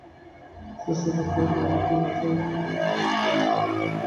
শশী অবাক হইয়া বলিল, তুই তো আচ্ছা রে মতি!